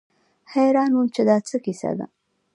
حيران وم چې دا څه کيسه ده.